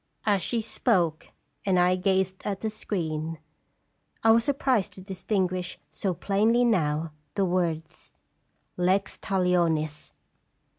As she spoke and I gazed at the screen, I was surprised to distinguish so plainly now the words, Lextalionis!